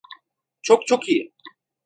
Çok çok iyi.